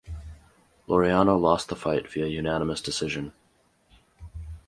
Laureano lost the fight via unanimous decision.